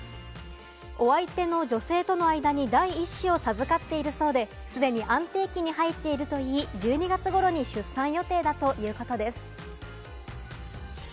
お相手の女性との間に第一子を授かっているそうで、既に安定期に入っているといい、１２月ごろに出産予定だということです。